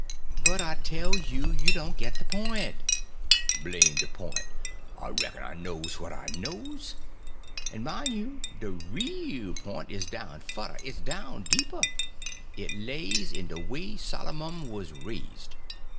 "But I tell you you don't get the point." "Blame de point! I reck'n I knows what I knows. En mine you, de real pint is down furder—it's down deeper. It lays in de way Sollermun was raised.